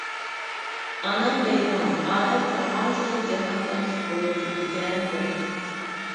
ئانام دەيدىغان ئادەم قېرىغانسېرى جاھان تاتلىق بولۇپ كېتىدىكەن دەپ.